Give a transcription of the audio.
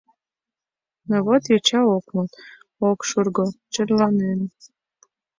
Но вот йоча ок мод, ок шурго, черланен.